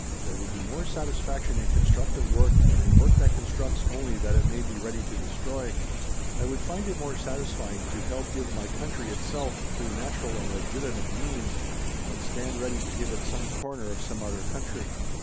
There would be more satisfaction in constructive work than in work that constructs only that it may be ready to destroy. I would find it more satisfying to help give my country itself through natural and legitimate means than stand ready to give it some corner of some other country."